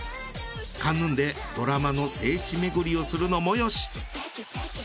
カンヌンでドラマの聖地巡りをするのもよし。